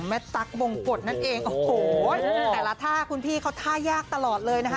ตั๊กบงกฎนั่นเองโอ้โหแต่ละท่าคุณพี่เขาท่ายากตลอดเลยนะคะ